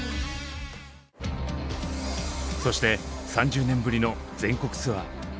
そして３０年ぶりの全国ツアー。